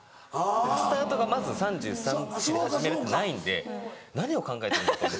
スタートがまず３３３４で始めるってないんで何を考えてるんだと。